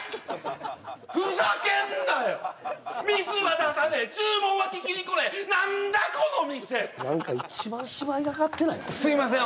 ふざけんなよ水は出さねえ注文は聞きに来ねえ何だこの店何か一番芝居がかってないかすいません